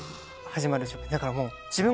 だからもう。